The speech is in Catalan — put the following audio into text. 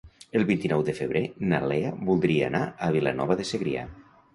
El vint-i-nou de febrer na Lea voldria anar a Vilanova de Segrià.